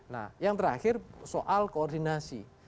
nah yang terakhir soal koordinasi